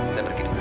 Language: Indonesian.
saya pergi dulu